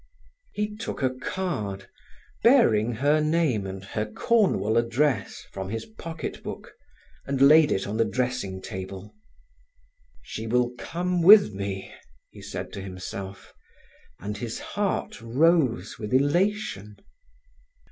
He took a card, bearing her name and her Cornwall address, from his pocket book, and laid it on the dressing table. "She will come with me," he said to himself, and his heart rose with elation.